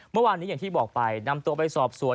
เมื่อวานนี้อย่างที่บอกไปนำตัวไปสอบสวน